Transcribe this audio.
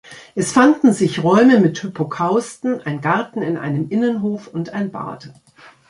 Es fanden sich Räume mit Hypokausten, ein Garten in einem Innenhof und ein Bad.